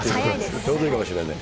ちょうどいいかもしれない。